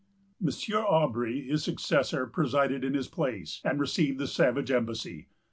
M. Aubry, his successor, presided in his place, and received the savage embassy.